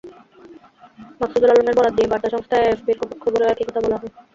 মাকসুদুল আলমের বরাত দিয়ে বার্তা সংস্থা এএফপির খবরেও একই কথা বলা হয়।